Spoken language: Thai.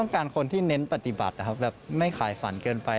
การคนที่เน้นปฏิบัติไม่ขายฝันเกินไป